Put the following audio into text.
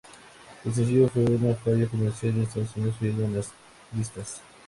El sencillo fue una falla comercial en Estados Unidos, fallando en las listas.